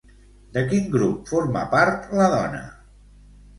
De quin grup forma part la dona?